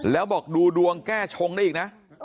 แล้วบอกดูดวงแก้ชงได้อีกนะ